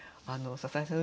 篠井さん